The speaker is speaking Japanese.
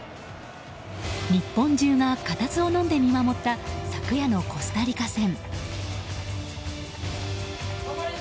日本中が固唾をのんで見守った昨夜のコスタリカ戦。